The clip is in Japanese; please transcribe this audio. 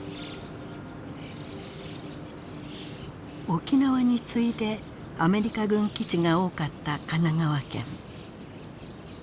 沖縄に次いでアメリカ軍基地が多かった神奈川県。